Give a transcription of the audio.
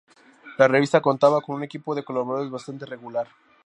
La revista contaba con un equipo de colaboradores bastante regular.